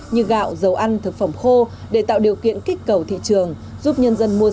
như ghi nhận của phóng viên truyền hình công an nhân dân